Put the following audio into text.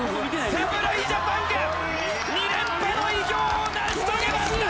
侍ジャパンが２連覇の偉業を成し遂げました！